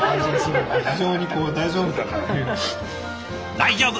大丈夫！